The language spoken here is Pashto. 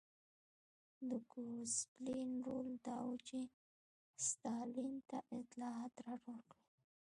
د ګوسپلین رول دا و چې ستالین ته اطلاعات راټول کړي